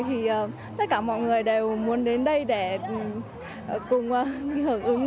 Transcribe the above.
thì tất cả mọi người đều muốn đến đây để cùng hưởng ứng